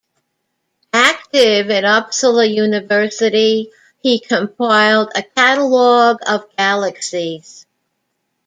Active at Uppsala University, he compiled a catalogue of galaxies.